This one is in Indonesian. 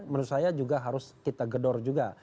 menurut saya juga harus kita gedor juga